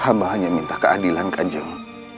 hamba hanya minta keadilan ke anjung